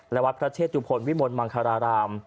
และวัดพระเชตุพลวิมลมังคาราราม